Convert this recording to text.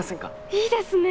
いいですね！